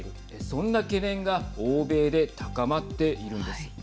そんな懸念が欧米で高まっているんです。